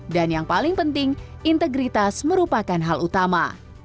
dan yang paling penting integritas merupakan hal utama